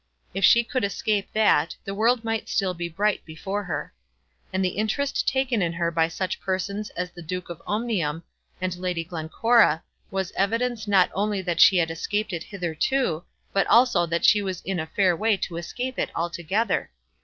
If she could escape that, the world might still be bright before her. And the interest taken in her by such persons as the Duke of Omnium and Lady Glencora was evidence not only that she had escaped it hitherto, but also that she was in a fair way to escape it altogether.